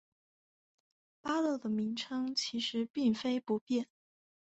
八道的名称其实并非不变。